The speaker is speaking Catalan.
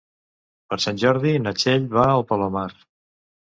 Per Sant Jordi na Txell va al Palomar.